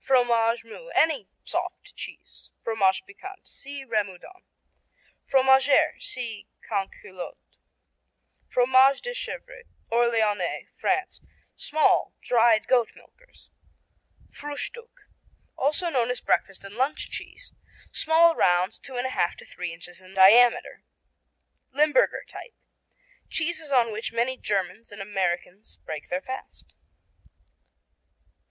Fromage Mou Any soft cheese. Fromage Piquant see Remoudon. Fromagère see Canquillote. Fromages de Chèvre Orléanais, France Small, dried goat milkers. Frühstück Also known as breakfast and lunch cheese. Small rounds two and a half to three inches in diameter. Limburger type. Cheeses on which many Germans and Americans break their fast.